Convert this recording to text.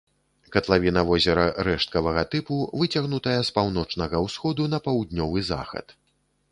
Катлавіна возера рэшткавага тыпу, выцягнутая з паўночнага ўсходу на паўднёвы захад.